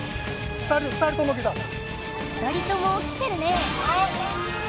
２人ともきてるね！